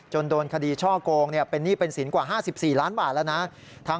โดนคดีช่อโกงเป็นหนี้เป็นสินกว่า๕๔ล้านบาทแล้วนะ